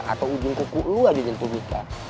atau ujung kuku lo aja jentuh mika